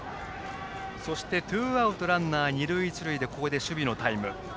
そして、ツーアウトランナー、二塁一塁でここで守備のタイム。